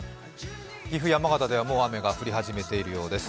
岐阜山県ではもう雨が降っているようです。